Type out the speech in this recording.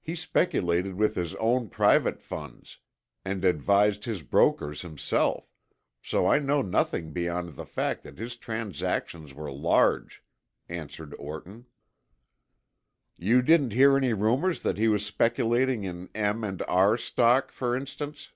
He speculated with his own private funds, and advised his brokers himself, so I know nothing beyond the fact that his transactions were large," answered Orton. "You didn't hear any rumors that he was speculating in M. and R. stock, for instance?"